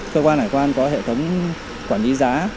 cơ quan hải quan có hệ thống quản lý giá